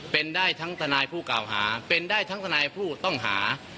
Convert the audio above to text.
เป็นได้ทั้งทนายผู้กล่าวหาเป็นได้ทั้งทนายผู้ต้องหา